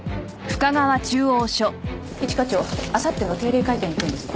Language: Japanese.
一課長あさっての定例会見の件です。